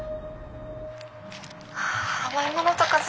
「甘い物とか全然」。